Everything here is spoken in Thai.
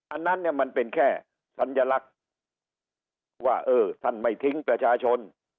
อันนั้นเนี่ยมันเป็นแค่สัญลักษณ์ว่าเออท่านไม่ทิ้งประชาชน